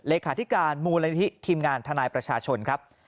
เลขาธิการมูลนิธิทีมงานทนายประชาชนครับ